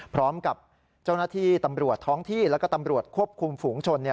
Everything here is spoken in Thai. พร้อมกับเจ้าหน้าที่ตำรวจท้องที่แล้วก็ตำรวจควบคุมฝูงชน